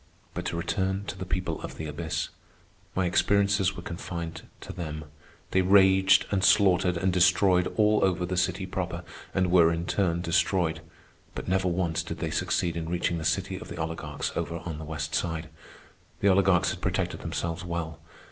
But to return to the people of the abyss. My experiences were confined to them. They raged and slaughtered and destroyed all over the city proper, and were in turn destroyed; but never once did they succeed in reaching the city of the oligarchs over on the west side. The oligarchs had protected themselves well.